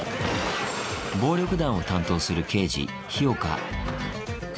暴力団を担当する刑事、日岡。